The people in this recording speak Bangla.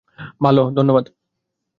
ভাল, ধন্যবাদ।